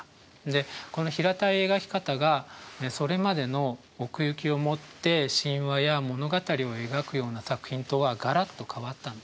この平たい描き方がそれまでの奥行きをもって神話や物語を描くような作品とはガラッと変わったんですね。